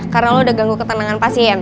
karena lo udah ganggu ketenangan pasien